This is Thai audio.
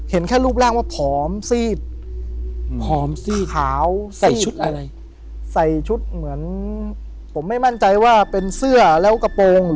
เห็นแค่รูปร่างว่าผอมซีดผอมสีขาวใส่ชุดอะไรใส่ชุดเหมือนผมไม่มั่นใจว่าเป็นเสื้อแล้วกระโปรง